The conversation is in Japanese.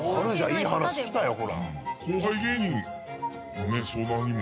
いい話きたよほら。